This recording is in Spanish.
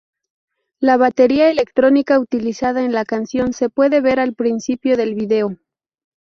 La batería electrónica utilizada en la canción se puede ver al principio del video.